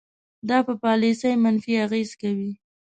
دا په پالیسۍ منفي اغیز کوي.